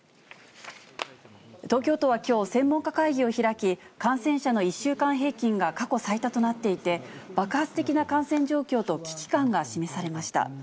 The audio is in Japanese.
東京都はきょう、専門家会議を開き、感染者の１週間平均が過去最多となっていて、爆発的な感染状況と危機感が示されました。